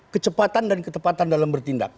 kecepatan dan ketepatan dalam bertindak